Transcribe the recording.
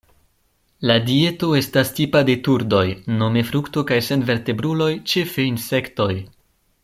La dieto estas tipa de turdoj: nome frukto kaj senvertebruloj, ĉefe insektoj.